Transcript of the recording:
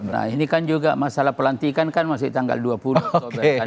nah ini kan juga masalah pelantikan kan masih tanggal dua puluh oktober